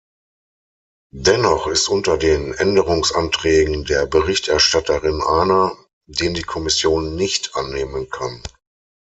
Dennoch ist unter den Änderungsanträgen der Berichterstatterin einer, den die Kommission nicht annehmen kann.